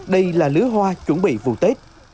đây là lứa hoa chuẩn bị vụ tết